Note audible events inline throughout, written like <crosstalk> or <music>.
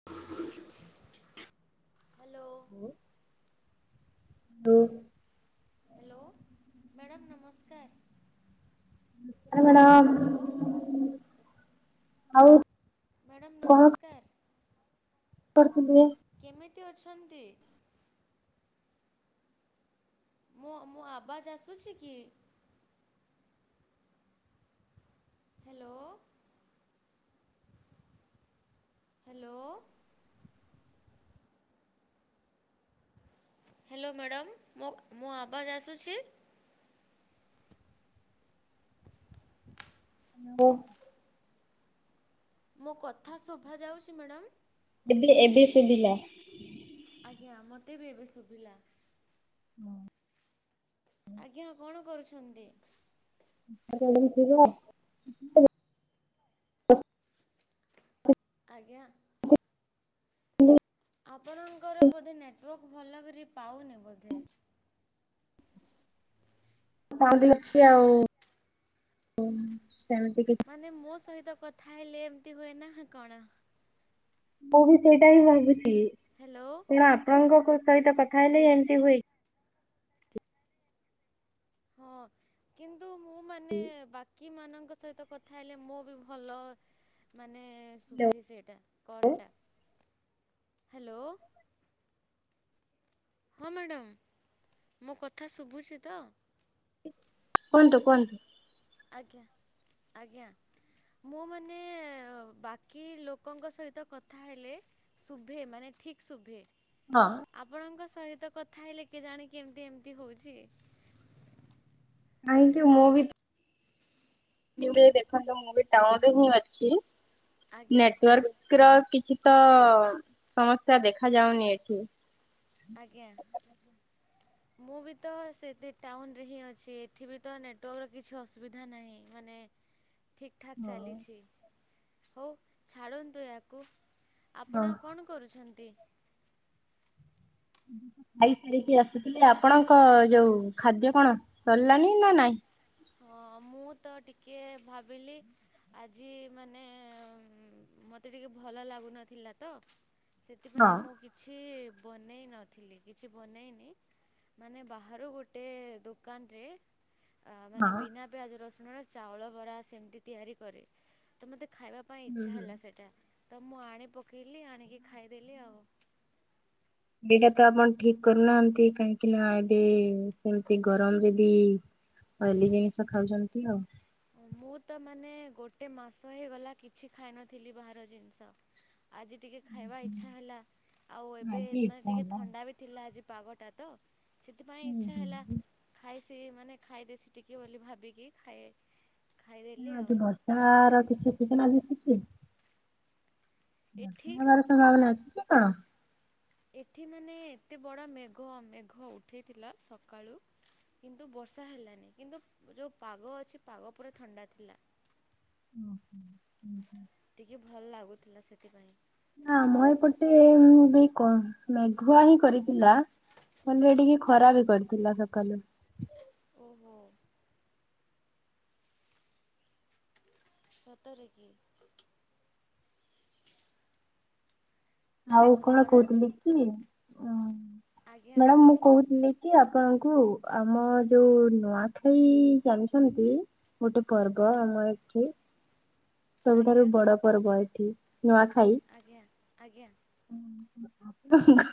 <inaudible> Hello. ହୁଁ। <unintelligible> Hello, madam ନମସ୍କାର। Hello madam hello ଆଉ ମ୍ୟାଡ଼ାମ୍ କଣ ନମସ୍କାର। <unintelligible> କେମିତି ଅଛନ୍ତି? ମୋ ମୋ ଆବାଜ ଆସୁଛି କି? ହ୍ୟାଲୋ। ହ୍ୟାଲୋ। Hello madam. ମୋ ଆବାଜ୍ ଆସୁଚି? <unintelligible> ମୋ କଥା ଶୁଭା ଯାଉଚି ମ୍ୟାଡ଼ାମ୍? ଦିଦି ଏବେ ଶୁଭିଲା। ଆଜ୍ଞା, ମୋତେ ବି ଏବେ ଶୁଭିଲା। ଆଜ୍ଞା କଣ କରୁଛନ୍ତି? <unintelligible> ଆଜ୍ଞା। ଆପଣଙ୍କର ବୋଧେ ନେଟୱର୍କ ଭଲ କରି ପାଉନି ବୋଧେ। ବଅଁନ୍ଦୀ ଅଛି ଆଉ ଉଁ ସେମିତି କି ମାନେ ମୋ ସହିତ କଥା ହେଲେ ଏମିତି ହୁଏ ନା କଣ? ମୁଁ ବି ସେଇଟା ହିଁ ଭାବୁଛି। ହ୍ୟାଲୋ। କିଣ ଆପଣଙ୍କ କ ସହିତ କଥା ହେଲେ ଏମିତି ହୁଏ। ହ ଅଁ। କିନ୍ତୁ ମୁଁ ମାନେ ବାକିମାନଙ୍କ ସହିତ କଥା ହେଲେ ମୁଁ ବି ଭଲ। ମାନେ ଶୁଭେ ସେଟା କଲ୍ ଟା ହ୍ୟାଲୋ ହଁ ମ୍ୟାଡ଼ମ୍ ମୋ କଥା ଶୁବୁଛି ତ? କୁହନ୍ତୁ କୁହନ୍ତୁ? ଆଜ୍ଞା ଆଜ୍ଞା। ମୁଁ ମାନେ ଏ ବାକି ଲୋକଙ୍କ ସହିତ କଥା ହେଲେ ଶୁଭେ ମାନେ ଠିକ୍ ଶୁଭେ ହଁ। ଆପଣଙ୍କ ସହିତ କଥା ହେଲେ କେଜାଣି କେମିତି ଏମିତି ହଉଛି? ଥାନକ୍ୟୁ ମୁଁ ବି <unintelligible> ଦେଖନ୍ତୁ ମୁଁ ଟାଉନ୍ ହିଁ ଅଛି। ଆଜ୍ଞା ନେଟୱାର୍କ ର କିଛି ତ ସମସ୍ୟା ଦେଖାଯାଉନି ଏଠି। ଆଜ୍ଞା। ମୁଁ ବି ତ ସେତି ଟାଉନରେ ହିଁ ଅଛି ଏଠି ବି ତ ନେଟୱାର୍କର କିଛି ଅସୁବିଧା ନାହିଁ ମାନେ ଠିକ୍ ଠାକ୍ ଚାଲିଛି ହଁ ହଉ ଛାଡ଼ନ୍ତୁ ଏହାକୁ। ଆପଣ କଣ କରୁଛନ୍ତି? ଖାଇ ସାରିକି ଆସୁଥିଲି ଆପଣଙ୍କ ଯୋଉ ଖାଦ୍ୟ କଣ ସରିଲାନି ନା ନାଇଁ? ହଁ ମୁଁ ତ ଟିକେ ଭାବିଲି ଆଜି ମାନେ ମୋତେ ଟିକେ ଭଲ ଲାଗୁନଥିଲା ତ ସେଥିପାଇଁ ହଁ ମୁଁ କିଛି ବନେଇ ନଥିଲି। କିଛି ବନେଇନି ମାନେ ବାହାରୁ ଗୋଟେ ଦୋକାନରେ ମାନେ ହଁ ବିନା ପିଆଜ ରସୁଣର ଚାଉଳ ବରା ସେମିତି ତିଆରି କରେ। ତ ମତେ ଖାଇବା ପାଇଁ ହୁଁ ଇଚ୍ଛା ହୁଁ। ହେଲା ସେଇଟା ତ ମୁଁ ଆଣି ପକେଇଲି ଆଣିକି ଖାଇଦେଲି ଆଉ। ଏଇଟା ତ ଆପଣ ଠିକ୍ କରୁନାହାନ୍ତି କାହିଁକି ନା ଏବେ ସେମିତି ଗରମରେ ବି ଅଏଲି ଜିନିଷ ଖାଉଛନ୍ତି ଆଉ। ମୁଁ ତ ମାନେ ଗୋଟେ ମାସ ହେଇଗଲା କିଛି ଖାଇନଥିଲି ବାହାର ଜିନିଷ। ଆଜି ଟିକେ ଖାଇବା ଇଚ୍ଛା ହେଲା। ଆଉ ଏବେ ଆଜି ମାନେ ଇଚ୍ଛା ଟିକେ ହେଲା। ଥଣ୍ଡା ବି ଥିଲା ଆଜି ପାଗଟା ତ ସେଥିପାଇଁ ହୁଁ ଇଚ୍ଛା ହେଲା ହୁଁ ଖାଇ ସେ ମାନେ ଖାଇଦେସି ଟିକେ ବୋଲି ଭାବିକି ଖାଏ ଖାଇଦେଲି ନା ଆଉ ଆଜି ବର୍ଷା ର କିଛି ସୂଚନା ଦିଶୁଛି? ଏଠି ବର୍ଷା ହବାର ସମ୍ଭାବନା ଅଛି କି କଣ? ଏଠି ମାନେ ଏତେ ବଡ଼ ମେଘ ମେଘ ଉଠେଇଥିଲା ସକାଳୁ କିନ୍ତୁ ବର୍ଷା ହେଲାନି କିନ୍ତୁ ଯଉଁ ପାଗ ଅଛି ପାଗ ପୁରା ଥଣ୍ଡା ଥିଲା। <unintelligible> ଟିକେ ଭଲ ଲାଗୁଥିଲା ସେଥିପାଇଁ। ନା ଆମର ଏପଟେ ବି କମ୍ ମେଘୁଆ ହିଁ କରିଥିଲା। ଭଲରେ ଟିକେ ଖରା ବି କରିଥିଲା ସକାଳୁ। ଓହୋ। ସତରେକି? ଆଉ ମାନେ କଣ ଖରା କହୁଥିଲି କି ଆଜ୍ଞା ମ୍ୟାଡ଼ାମ ମୁଁ କହୁଥିଲି କି ଆପଣଙ୍କୁ ଆମ ଯୋଉ ନୂଆଖାଇ ଜାଣିଛନ୍ତି? ଗୋଟେ ପର୍ବ ଆମ ଏଠି। ସବୁଠାରୁ ଆଜ୍ଞା ବଡ ପର୍ବ ଏଠି ନୂଆଖାଇ। ଆଜ୍ଞା ଆଜ୍ଞା। ଉଁ ହୁଁ <unintelligible>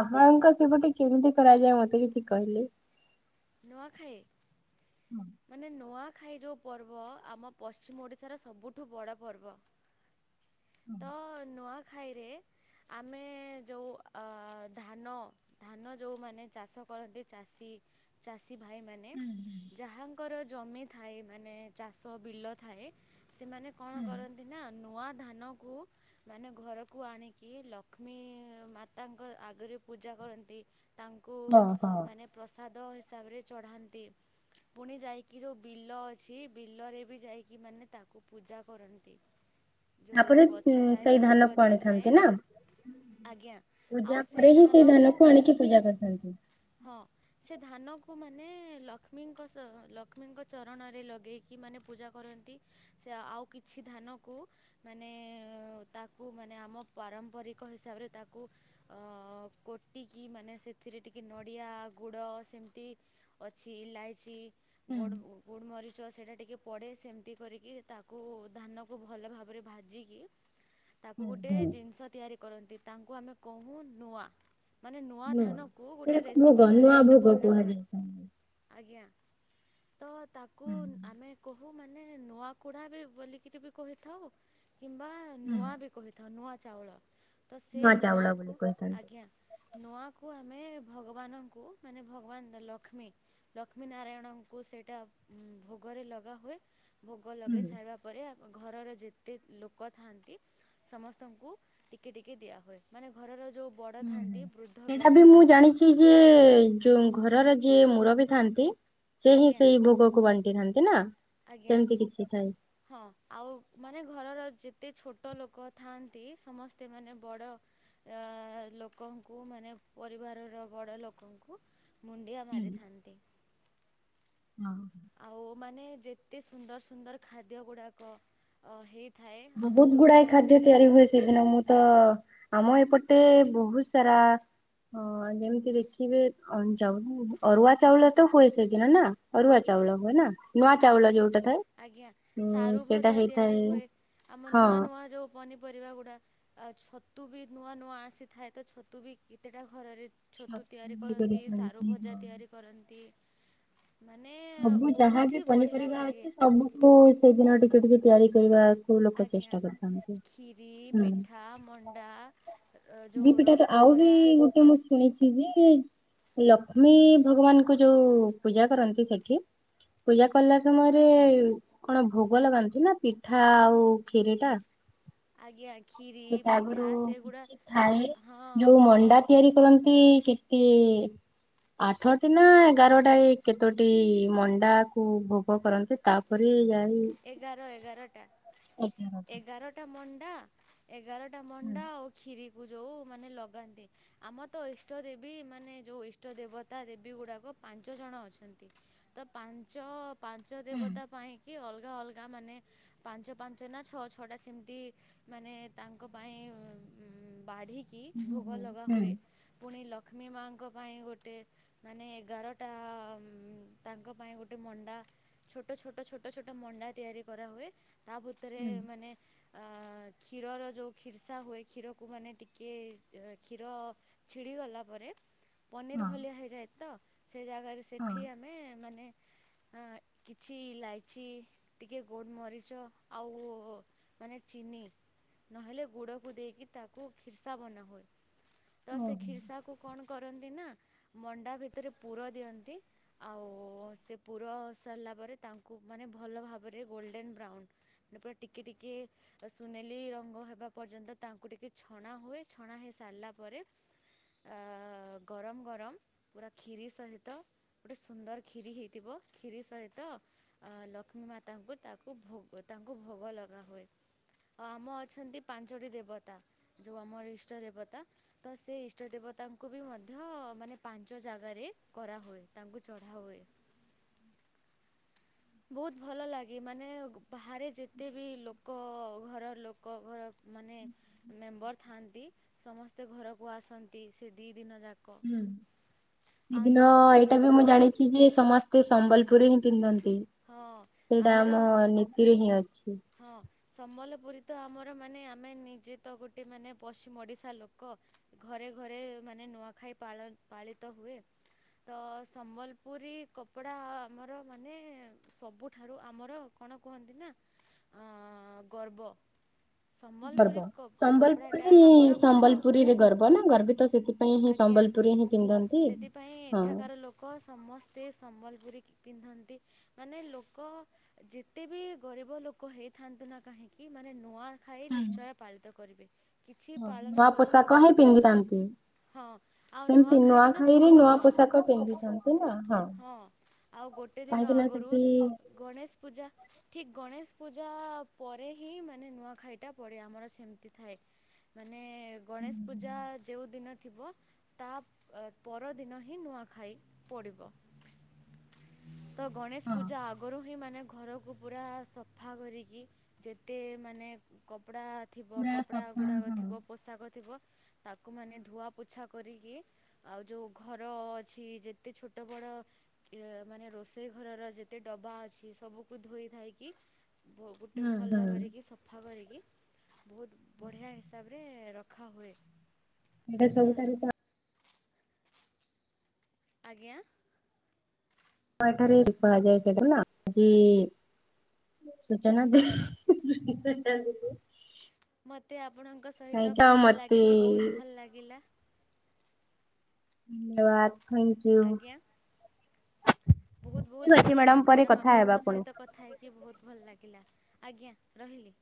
ଆପଣଙ୍କ ସେପଟେ କେମିତି କରାଯାଏ ମତେ କିଛି କହିଲେ? ନୂଆଖାଇ? ହଁ। ମାନେ ନୂଆଖାଇ ଯୋଉ ପର୍ବ ଆମ ପଶ୍ଚିମ ଓଡ଼ିଶାର ସବୁଠୁ ବଡ଼ ପର୍ବ। ତ ନୂଆଁଖାଇ ରେ ଆମେ ଯୋଉ ଆ ଧାନ ଧାନ ଯୋଉମାନେ ଚାଷ କରନ୍ତି ଚାଷୀ ଚାଷୀ ଭାଇମାନେ ଯାହା ଙ୍କର ଜମି ଥାଏ ମାନେ ଚାଷ ବିଲ ଥାଏ ସେମାନେ କଣ କର ନ୍ତିନା ନୂଆଁ ଧାନକୁ ମାନେ ଘରକୁ ଆଣିକି ଲକ୍ଷ୍ମୀ ମାତାଙ୍କ ଆଗରେ ପୂଜା କରନ୍ତି। ତାଙ୍କୁ ହଁ ହଁ ମାନେ ପ୍ରସାଦ ହିସାବରେ ଚଢ଼ାନ୍ତି। ପୁଣି ଯାଇକି ଯୋଉ ବିଲ ଅଛି ବିଲରେ ବି ଯାଇକି ମାନେ ତାକୁ ପୂଜା କରନ୍ତି। ଯୋଉ ଆପଣ ସେ ଗଛ ଥାଏ ସେଇ ଧାନ ଧାନକୁ ଗଛ ଥାଏ ଆଣିଥାନ୍ତି ନା? ଆଜ୍ଞା ଆଉ ପୂଜା ସେ ପରେ ହିଁ ସେଇ ଧାନକୁ ଧାନ କୁ ଆଣିକି ପୂଜା କରିଥାନ୍ତି। ହଁ। ସେ ଧାନକୁ ମାନେ ଲକ୍ଷ୍ମୀଙ୍କ ସ ଲକ୍ଷ୍ମୀଙ୍କ ଚରଣରେ ଲଗେଇକି ମାନେ ପୂଜା କରନ୍ତି। ସେ ଆଉ କିଛି ଧାନକୁ ମାନେ ତାକୁ ମାନେ ଆମ ପାରମ୍ପରିକ ହିସାବରେ ତାକୁ ଅ କୋଟିକି ମାନେ ସେଥିରେ ଟିକେ ନଡ଼ିଆ ଗୁଡ଼ ସେମିତି ଅଛି ଇଲାଇଚି ହୁଁ ଗୋଡ଼ୁ ଉ ଗୁଡ଼ୁମରିଚ ସେଇଟା ଟିକେ ପଡ଼େ ସେମିତି କରିକି ତାକୁ ଧାନକୁ ଭଲ ଭାବରେ ଭାଜିକି। <inaudible> ତାକୁ ଗୋଟେ ହୁଁ ଜିନିଷ ତିଆରି କରନ୍ତି ତାଙ୍କୁ ଆମେ କହୁ ନୂଆଁ। ମାନେ ନୂଆଁ ନୂଆ, ଧାନକୁ ଗୋଟେ ସେଟାକୁ ଭୋଗ ରେସିପି ନୂଆ ଭଳିଆ ଗୋଟେ ଭୋଗ ବନାହୁଏ। କୁହାଯାଇଥାଏ। ଆଜ୍ଞା ତ ତାକୁ ହୁଁ ଉଁ ଆମେ କହୁ। କୁ ମାନେ ନୂଆ କୁଢ଼ା ବି ବୋଲିକିରି ବି କହିଥାଉ କିମ୍ବା ହୁଁ ନୂଆଁ ବି କହିଥାଉ ନୂଆଁ ଚାଉଳ ତ ସେ ନୂଆ ଚାଉଳ ବୋଲି ନୂଆକୁ କହିଥାନ୍ତି। ଆଜ୍ଞା। ନୂଆଁ କୁ ଆମେ ଭଗବାନଙ୍କୁ ମାନେ ଭଗବାନ ଲକ୍ଷ୍ମୀ। ଲକ୍ଷ୍ମୀ ନାରାୟଣଙ୍କୁ ସେଇଟା ଭୋଗରେ ଲଗାହୁଏ ଭୋଗ ଲଗେଇ ହୁଁ ସାରିବା ପରେ ଘରର ଯେତେ ଲୋକ ଥାଆନ୍ତି ସମସ୍ତଙ୍କୁ ଟିକେ ଟିକେ ଦିଆହୁଏ ମାନେ ଘରର ଯୋଉ ବଡ଼ ଥାଆନ୍ତି ବୃଦ୍ଧ ବ୍ୟକ୍ତି କିମ୍ବା ସେ ଯେ ଯୋଉ ଘରର ଯିଏ ମୁରବି ଥାନ୍ତି ସେହିଁ ଆଜ୍ଞା ସେଇ ଭୋଗକୁ ବା ଣ୍ଟି ଥାଆନ୍ତି ନା? ଆଜ୍ଞା। ସେମିତି କିଛି ଥାଏ। ହଁ ଆଉ ମାନେ ଘରର ଯେତେ ଛୋଟ ଲୋକ ଥାଆନ୍ତି ସମସ୍ତେ ମାନେ ବଡ଼ ଅ ଲୋକଙ୍କୁ ମାନେ ପରିବାରର ବଡ଼ ଲୋକଙ୍କୁ ମୁଣ୍ଡିଆ ହୁଁ ମାରିଥାନ୍ତି। ହଁ। ଆଉ ମାନେ ଯେତେ ସୁନ୍ଦର ସୁନ୍ଦର ଖାଦ୍ୟ ଗୁଡ଼ାକ। ଅ ହେଇଥାଏ ଆମ ବହୁତ ଯୋଉ ଗୁଡାଏ ନୂଆ। ଖାଦ୍ୟ ତିଆରି ହୁଏ ସେଦିନ ମୁଁ ତ ଆମ ଏପଟେ ବହୁତ ସାରା। ହଁ ଯେମିତି ଦେଖିବେ ଅରୁଆ ଚାଉଳ ତ ହୁଏ ସେ ଦିନ ନା। ଅରୁଆ ଚାଉଳ ହୁଏ ନା ନୂଆ ଚାଉଳ ଆଜ୍ଞା ଯୋଉଟା ଥାଏ ଆଜ୍ଞା ଉଁ ସାରୁ ସେଇଟା ଭଜା ତିଆରି ହେଇଥାଏ। ହୁଏ ଆମ ନୂଆ ହଁ। ନୂଆ ଯୋଉ। ପନିପରିବା ଗୁଡ଼ା ଆଉ ଛତୁ ବି ନୂଆ ନୂଆ ଆସିଥାଏ ତ ଛତୁ ବି କେତେଟା ଘରରେ। ଛତୁ ତିଆରି ବି କରନ୍ତି ସାରୁ କରିଥାନ୍ତି ଭଜା ହଁ। ତିଆରି କରନ୍ତି ମାନେ ସବୁ ଯାହା ବହୁତ। ବି ହି ବଢ଼ିଆ ପନିପରିବା ଲାଗେ ଅଛି ସବୁକୁ ସେଇଦିନ ଟିକେ ଟିକେ ତିଆରି କରିବା। ଆଜ୍ଞା ଖୀରି ହୁଁ ପିଠା ମଣ୍ଡା। ଯୋଉ ଦିପିଠା ତ ଆଉ ବି ରସବରା ଗୋଟେ ମୁଁ ଶୁଣିଛି ଯେ ଲକ୍ଷ୍ମୀ ଭଗବାନ। ଯୋଉ ପୂଜା କରନ୍ତି ସେଠି ପୂଜା କଲା ସମୟରେ। ଆଜ୍ଞା କଣ ଭୋଗ ଲଗାନ୍ତି ନା ପିଠା ଆଉ ଖିରି ଟା। ଆଜ୍ଞା ଖିରି। ସେଟା ଆଗରୁ କିଛି ଥାଏ ହଁ ଯୋଉ ମଣ୍ଡା। ତିଆରି କରନ୍ତି କିତି। ଆଠଟି ନା ଏଗାରଟା କେତୋଟି ମଣ୍ଡା କୁ ଭୋଗ କରନ୍ତି ତାପରେ ଯାଏ। ଏଗାର ଏଗାରଟା ଏଗାର ଏଗାରଟା ମଣ୍ଡା। ଏଗାରଟା ମଣ୍ଡା ଆଉ ଖିରି କୁ ଯୋଉ ମାନେ ଲଗାନ୍ତି। ଆମ ତ ଇଷ୍ଟ ଦେବୀ ମାନେ ଯୋଉ ଇଷ୍ଟ ଦେବତା ଦେବୀ ଗୁଡ଼ାକ ପାଞ୍ଚ ଜଣ ଅଛନ୍ତି। ତ ପାଞ୍ଚ ପାଞ୍ଚ ଦେବତା ପାଇଁକି ଅଲଗା ଅଲଗା ମାନେ। ପାଞ୍ଚ ପାଞ୍ଚ ନା ଛଅ ଛଅଟା ସେମତି ମାନେ ତାଙ୍କ ପାଇଁ ବାଢ଼ିକି ଭୋଗ ହୁଁ, ଲଗା ହୁଏ। ପୁଣି ଲକ୍ଷ୍ମୀ ମାଙ୍କ ପାଇଁ ଗୋଟେ। ମାନେ ଏଗାରଟା ତାଙ୍କ ପାଇଁ ଗୋଟେ ମଣ୍ଡା ଛୋଟ ଛୋଟ ଛୋଟ ଛୋଟ ମଣ୍ଡା ତିଆରି କରାହୁଏ ତା ଭିତରେ ମାନେ କ୍ଷୀରର ଯେଉଁ କ୍ଷୀର୍ସା ହୁଏ କ୍ଷୀରକୁ ମାନେ ଟିକିଏ କ୍ଷୀର ଛିଡିଗଲା ପରେ। ପନିର ହଁ, ଭଳିଆ ହେଇଯାଏ ତ ସେ ଜାଗାରେ ହଁ, ସେଠି ଆମେ ମାନେ ହଁ କିଛି ଇଲାଇ ଚି ଟିକେ ଗୋଲମରିଚ ଆଉ ମାନେ ଚିନି। ନହେଲେ ଗୁଡକୁ ଦେଇକି ତାକୁ ଖିର୍ଷା ବନା ହୁଏ ତ ସେ ଓହୋ। କ୍ଷୀର୍ସାକୁ କଣ କରନ୍ତି ନା ମଣ୍ଡା ଭିତରେ ପୁର ଦିଅନ୍ତି। ଆଉ ସେ ପୁର ସରିଲା ପରେ ତା ଙ୍କୁ ଭଲ ଭାବରେ ଗୋଲ୍ଡେନ୍ ବ୍ରାଉନ୍ ପୁରା ଟିକି ଟିକି ସୁନେଲି ରଙ୍ଗ ହେବା ପର୍ଯ୍ୟନ୍ତ ତାଙ୍କୁ ଟିକେ ଛଣା ହୁଏ ଛଣା ହେଇସାରିଲା ପରେ। ଆ ପୁରା ଗରମ ଗରମ ପୁରା କ୍ଷୀରି ସହିତ ଗୋଟେ ସୁନ୍ଦର କ୍ଷୀରି ହେଇଥିବ କ୍ଷୀରି ସହିତ ଲକ୍ଷ୍ମୀ ମାତାଙ୍କୁ ତାକୁ ଭୋଗ ତାଙ୍କୁ ଭୋଗ ଲଗାହୁଏ। ହ ଆମ ଅଛନ୍ତି ପାଞ୍ଚଟି ଦେବତା ଯେଉ ଆମ ଇଷ୍ଟ ଦେବତା। ତ ସେ ଇଷ୍ଟ ଦେବତାଙ୍କୁ ବି ମଧ୍ୟ ମାନେ ପାଞ୍ଚ ଜାଗାରେ କରାହୁଏ ତାଙ୍କୁ ଚଢ଼ାହୁଏ। ବହୁତ ଭଲ ଲାଗେ ମାନେ ବାହାରେ ଯେତେ ବି ଲୋକ ଘର ଲୋ ଙ୍କ ଘର ମାନେ ମେମ୍ବର ଥାଆନ୍ତି। ସମସ୍ତେ ଘରକୁ ଆସନ୍ତି ସେ ଦିଇ ଦିନ ଯାକ ହୁଁ ଆଉ ସେଦିନ ନୂଆ ଏଇଟା ବି ମୁଁ ଜାଣିଛି ଯେ ସମସ୍ତେ ସମ୍ବଲପୁରୀ ହିଁ ପିନ୍ଧନ୍ତି। ହଁ ସେଇଟା ଆମ ଆମର ନୀତିରେ ହିଁ ଅଛି। ହଁ। ସମ୍ବଲପୁରୀ ତ ଆମର ମାନେ ଆମେ ନିଜେ ତ ଗୋଟେ ମାନେ ପଶ୍ଚିମ ଓଡ଼ିଶା ଲୋକ। ଘରେ ଘରେ ମାନେ ନୂଆଖାଇ ପାଳନ ପାଳିତ ହୁଏ। ତ ସମ୍ବଲପୁରୀ କପଡ଼ା ଆମର ମାନେ ସବୁଠାରୁ ଆମର କଣ କୁହନ୍ତି ନା ଆଁ ଗର୍ବ। ସମ୍ବଲପୁରୀ ଗର୍ବ କପଡ଼ାଟା ସମ୍ବଲପୁରୀ ଆମର ଗର୍ବ ସମ୍ବଲପୁରୀରେ ଗର୍ବ ନା ଗର୍ବିତ ସେଥି ପାଇଁ ହିଁ ଆଜ୍ଞା। ସମ୍ବଲପୁରୀ ହିଁ ପିନ୍ଧନ୍ତି ସେଥିପାଇଁ ହଁ। ଏଠାକାର ଲୋକ ସମସ୍ତେ ସମ୍ବଲପୁରୀ ପିନ୍ଧନ୍ତି ମାନେ ଲୋକ ଯେତେ ବି ଗରିବ ଲୋକ ହେଇଥାନ୍ତୁ ନା କାହିଁକି ମାନେ ନୂଆ ଖାଇ ହୁଁ, ନିଶ୍ଚୟ ପାଳିତ କରିବେ କିଛି ପାଳନ ନୂଆ ପୋଷାକ କରୁନକ ହିଁ ପିନ୍ଧିଥାନ୍ତି ସେମିତି ନୂଆଖାଇ ଦିନ ନୂଆଖାଇରେ ସବୁ ନୂଆ ପୋଷାକ ପିନ୍ଧିଥାନ୍ତି ନା ହଁ। ହଁ ଆଉ ଗୋଟେ ଦିନ କାହିଁକି ନା ଆଗରୁ ସେଠି ଗଣେଶ ପୂଜା ଠିକ ଗଣେଶ ପୂଜା ପରେ ହିଁ ମାନେ ନୂଆଖାଇଟା ପଡ଼େ ଆମର ସେମ ଥାଏ ମାନେ ଗଣେଶ ପୂଜା ଯେଉଁ ଦିନ ଥିବ। ତା ପରଦିନ ହିଁ ନୂଆଖାଇ ପଡ଼ିବ। ତ ଗଣେଶ ପୂଜା ଆଗରୁ ହିଁ ମାନେ ଘର କୁ ପୁରା ସଫା କରିକି ଯେତେ ମାନେ କପଡ଼ା ଥିବ ପୁରା କପଡ଼ା ସଫା ଗୁଡ଼ାକ ହଁ ଥିବ ପୋଷାକ ଥିବ। ତାକୁ ମାନେ ଧୁଆ ପୋଛା କରିକି ଆଉ ଯୋଉ ଘର ଅଛି ଯେତେ ଛୋଟ ବଡ଼ ମାନେ ରୋଷେଇ ଘରର ଯେତେ ଡବା ଅଛି ସବୁକୁ ଧୋଇଧାଇକି। ଗୋଟେ ହୁଁ ହୁଁ ଭଲ କରିକି ସ ସଫା କରିକି ବହୁତ ବଢ଼ିଆ ହିସାବରେ ରଖାହୁଏ। ଏ ସବୁ ସୁନ୍ଦର ତାର ଆଜ୍ଞା। ଏଠାରେ <inaudible> କୁହାଯାଏ ସେଟା ନା କି ସୂଚନା ଦେ ହେ ହେ ମତେ ଆପଣଙ୍କ ସହିତ ତ କଥା ମତେ ଲାଗିକି ବହୁତ ଭଲ ଲାଗିଲା। ଧନ୍ୟବାଦ। ଥ୍ୟାଙ୍କୟୁ ଆଜ୍ଞା, ବହୁତ ବହୁତ ଠିକ ଅଛି ଧନ୍ୟବାଦ ପରେ ମ୍ୟାଡାମ କଥା ହେବା ଆପଣଙ୍କ ପୁଣି। ସହିତ କଥା କଥା ହେଇକି ବହୁତ ଭଲ ଲାଗିଲା, ଆଜ୍ଞା ରହିଲି।